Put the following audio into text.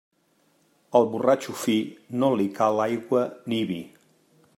Al borratxo fi no li cal aigua ni vi.